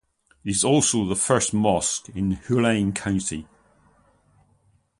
It is also the first mosque in Hualien County.